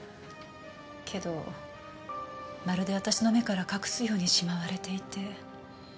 けどまるで私の目から隠すようにしまわれていて。